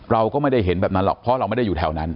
เราก็ไม่ได้เห็นแบบนั้นหรอกเพราะเราไม่ได้อยู่แถวนั้น